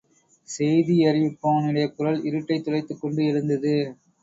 செய்தியறிவிப்போனுடைய குரல் இருட்டைத் துளைத்துக் கொண்டு எழுந்தது.